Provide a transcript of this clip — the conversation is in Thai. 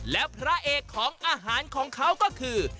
และพระเอกของอาหารของเขาก็คือ